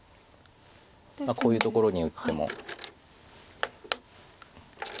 こういうところに打っても。